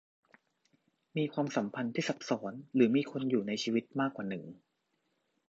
มีความสัมพันธ์ที่ซับซ้อนหรือมีคนอยู่ในชีวิตมากกว่าหนึ่ง